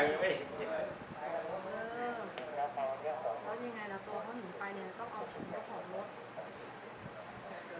พ่อพิธีน้ำเทียมสิ่งที่สามารถประสาทที่สนใจให้สำหรับพี่พี่น้องใจ